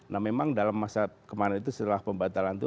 nah memang dalam masa kemarin itu setelah pembatalan itu